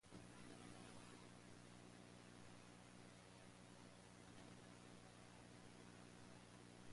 In varying degrees most mammals have some skin areas without natural hair.